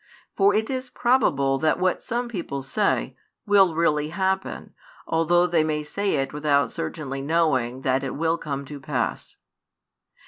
For it is probable that what some people say, will really happen, although they may say it without certainly knowing that it will come to pass.